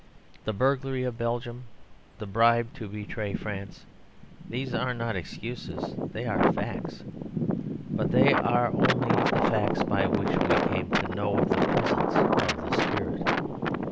The burglary of Belgium, the bribe to betray France, these are not excuses; they are facts. But they are only the facts by which we came to know of the presence of the spirit.